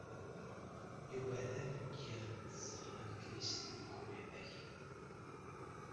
Yuba d ameggi n tɣellist deg unafag.